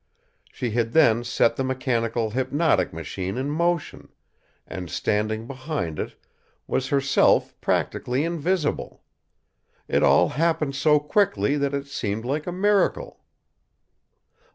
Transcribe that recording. She had then set the mechanical hypnotic machine in motion, and, standing behind it, was herself practically invisible. It all happened so quickly that it seemed like a miracle.